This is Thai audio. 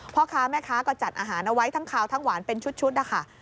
พ่อค้าแม่ค้าก็จัดอาหารเอาไว้ทั้งขาวทั้งหวานเป็นชุดนะคะ